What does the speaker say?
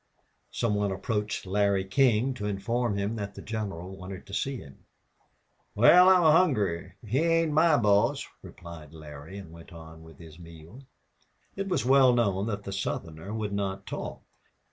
Some one approached Larry King to inform him that the general wanted to see him. "Wal, I'm hungry an' he ain't my boss," replied Larry, and went on with his meal. It was well known that the Southerner would not talk.